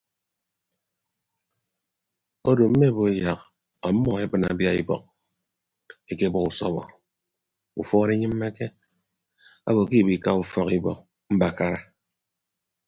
Odo mme bo yak ọmmọ ebịne abia ibọk ekebọ usọbọ ufuọd inyịmmeke abo ke ibiika ufọk ibọk mbakara.